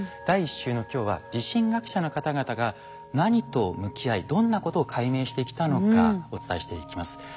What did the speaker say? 第１週の今日は地震学者の方々が何と向き合いどんなことを解明してきたのかお伝えしていきます。